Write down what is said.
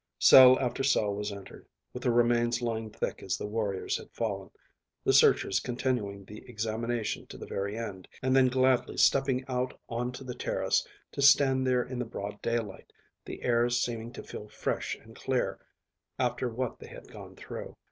Cell after cell was entered, with the remains lying thick as the warriors had fallen, the searchers continuing the examination to the very end, and then gladly stepping out on to the terrace, to stand there in the broad daylight, the air seeming to feel fresh and clear after what they had gone through.